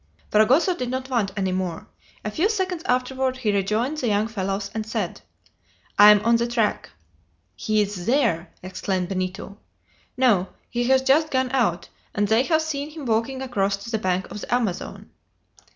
Fragoso did not want any more. A few seconds afterward he rejoined the young fellows, and said: "I am on the track." "He is there!" exclaimed Benito. "No; he has just gone out, and they have seen him walking across to the bank of the Amazon."